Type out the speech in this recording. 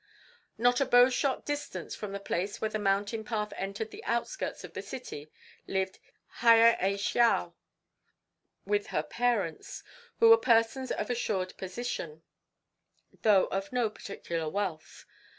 Not a bowshot distance from the place where the mountain path entered the outskirts of the city lived Hiya ai Shao with her parents, who were persons of assured position, though of no particular wealth.